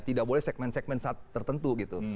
tidak boleh segmen segmen tertentu gitu